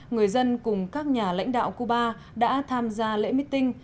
người dân cùng các nhà lãnh đạo cuba đã tham gia lễ mít tinh